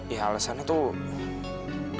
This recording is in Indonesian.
ya alasannya tuh